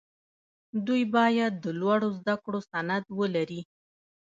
دوی باید د لوړو زدکړو سند ولري.